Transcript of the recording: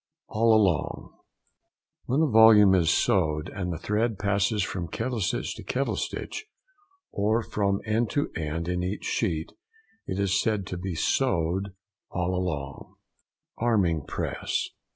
ALL ALONG.—When a volume is sewed, and the thread passes from kettle stitch to kettle stitch, or from end to end in each sheet, it is said to be sewed "all along." ARMING PRESS.